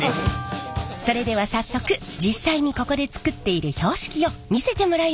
それでは早速実際にここで作っている標識を見せてもらいましょう。